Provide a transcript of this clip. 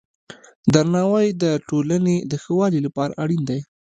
درناوی د ټولنې د ښه والي لپاره اړین دی.